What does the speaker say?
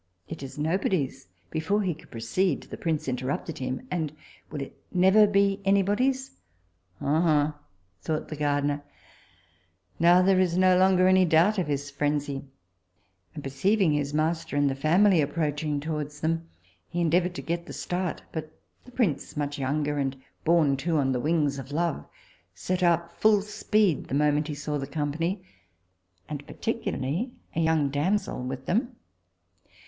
It is nobody's before he could proceed, the prince interrupted him, And will it never be any body's? Oh! thought the gardiner, now there is no longer any doubt of his phrenzy and perceiving his master and the family approaching towards them, he endeavoured to get the start, but the prince, much younger, and borne too on the wings of love, set out full speed the moment he saw the company, and particularly a young damsel with them.